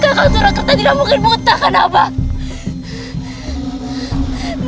kakak surakerta tidak mungkin buta kan abang